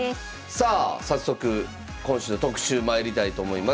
さあ早速今週の特集まいりたいと思います。